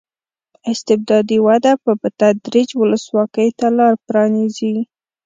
استبدادي وده به په تدریج ولسواکۍ ته لار پرانېزي.